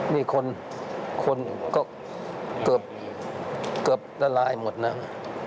มีคนก็เกือบละลายหมดนั้น